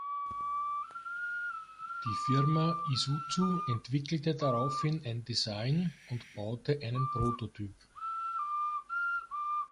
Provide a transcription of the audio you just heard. Die Firma Isuzu entwickelte daraufhin ein Design und baute einen Prototyp.